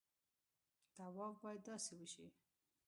طواف باید داسې وشي.